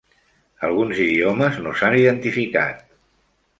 Alguns idiomes no s"han identificat.